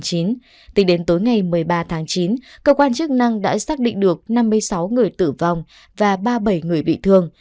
tính đến tối ngày một mươi ba tháng chín cơ quan chức năng đã xác định được năm mươi sáu người tử vong và ba mươi bảy người bị thương